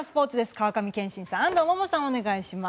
川上憲伸さん安藤萌々さん、お願いします。